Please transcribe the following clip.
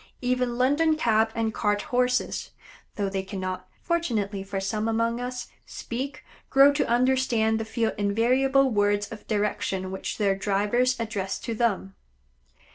Even London cab and cart Horses, though they cannot fortunately for some among us speak, grow to understand the few invariable words of direction which their drivers address to them.